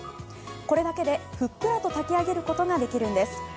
これだけでふっくらと炊き上げることができるんです。